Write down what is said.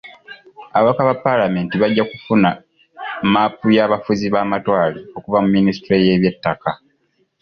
Ababaka ba paalamenti bajja kufuna mmaapu y'abafuzi b'amatwale okuva mu minisitule y'ebyettaka.